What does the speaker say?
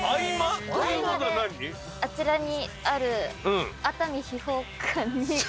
あちらにある熱海秘宝館に。